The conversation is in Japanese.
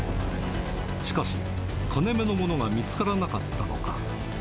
しかし、金目のものが見つからなかったのか。